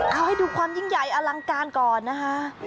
เอาให้ดูความยิ่งใหญ่อลังการก่อนนะคะ